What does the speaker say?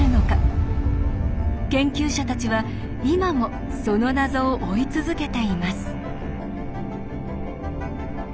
研究者たちは今もその謎を追い続けています。